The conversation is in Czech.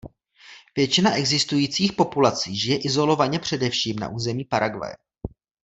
Většina existujících populací žije izolovaně především na území Paraguaye.